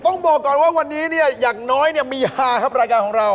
ต้องบอกก่อนว่าวันนี้เนี่ยอย่างน้อยเนี่ยมีฮาครับรายการของเรา